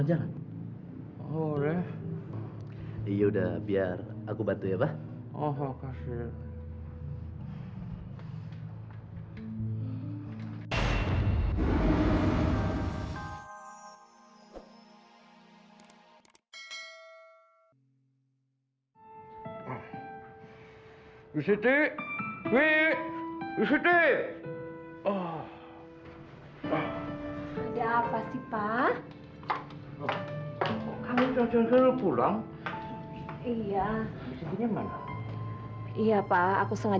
hari ini bisiti tadi pagi dipecat mama